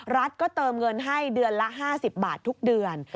รัฐก็เติมเงินให้เดือนละ๕๐บาททุกเดือน